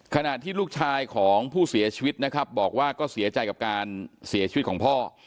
ขณะที่ลูกชายของผู้เสียชีวิตนะครับบอกว่าก็เสียใจกับการเสียชีวิตของพ่อ